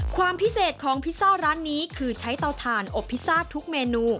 ความพิเศษของพิซซ่าร้านนี้คือใช้เตาถ่านอบพิซซ่าทุกเมนู